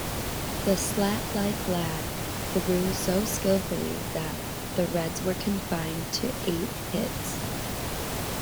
The slat-like lad threw so skillfully that...the Reds were confined to eight hits.